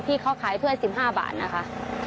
ที่เขาขาย๑๕บาทนะคะ